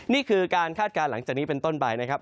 นี่คือการคาดการณ์หลังจากนี้เป็นต้นไปนะครับ